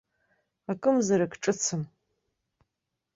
Акымзарак ҿыцым.